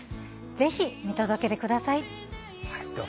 ぜひ見届けてください。